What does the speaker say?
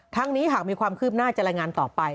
นี้หากมีความคืบหน้าจะรายงานต่อไป